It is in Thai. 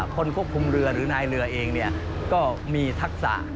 คนควบคุมเรือหรือนายเรือเองก็มีทักษะ